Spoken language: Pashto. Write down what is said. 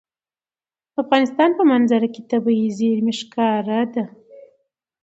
د افغانستان په منظره کې طبیعي زیرمې ښکاره ده.